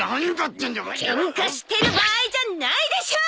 ケンカしてる場合じゃないでしょ！